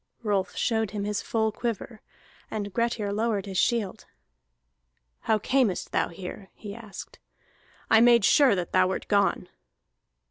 Rolf showed him his full quiver, and Grettir lowered his shield. "How camest thou here?" he asked. "I made sure that thou wert gone."